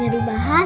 pasti aku ke sana